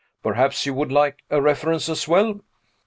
Perhaps you would like a reference as well?"